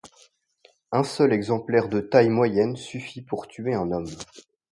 Un seul exemplaire de taille moyenne suffit pour tuer un homme.